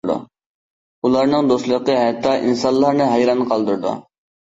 ئۇلارنىڭ دوستلۇقى ھەتتا ئىنسانلارنى ھەيران قالدۇرىدۇ.